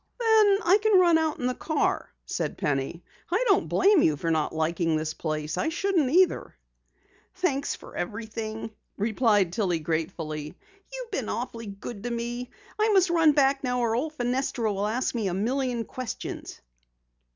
"Then I can run out in the car," said Penny. "I don't blame you for not liking this place. I shouldn't either." "Thanks for everything," replied Tillie gratefully. "You've been awfully good to me. I must run back now or old Fenestra will ask me a million questions."